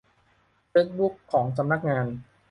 เฟซบุ๊กของสำนักงาน